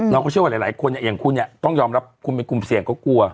เราก็เชื่อว่าหลายคนอย่างคุณเนี่ยต้องยอมรับคุณเป็นกลุ่มเสี่ยงก็กลัว